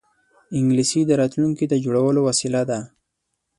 انګلیسي د راتلونکې د جوړولو وسیله ده